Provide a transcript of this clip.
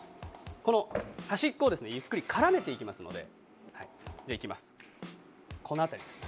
この端っこをゆっくり絡めていきますのでこの辺りです。